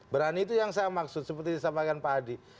berani itu yang saya maksud seperti disampaikan pak hadi